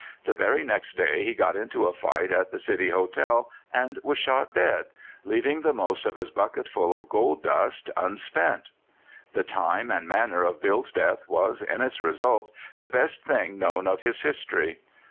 The very next day he got into a fight at the City Hotel, and was shot dead, leaving the most of his bucket ful of gold dust unspent. The time and manner of Bill's death was, in its result, the best thing known of his history.